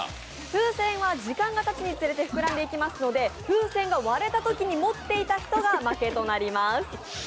風船は時間がたつにつれて膨らんでいきますので風船が割れたときに持っていた人が負けとなります。